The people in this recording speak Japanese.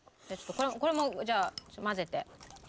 これもじゃあ混ぜて。